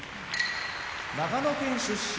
長野県出身